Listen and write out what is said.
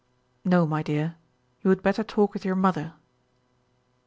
"No, my dear. You would better talk with your mother."